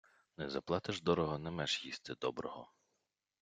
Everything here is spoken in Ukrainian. Не заплатиш дорого, не меш їсти доброго.